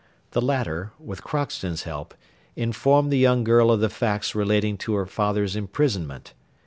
The latter, with Crockston's help, informed the young girl of the facts relating to her father's imprisonment.